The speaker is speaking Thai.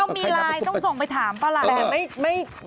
ต้องมีไลน์ต้องส่งไปถามเปล่าล่ะ